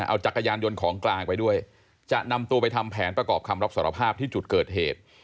เอาจักรยานยนต์ของกลางไปด้วยจะนำตัวไปทำแผนประกอบคำรับสารภาพที่จุดเกิดเหตุ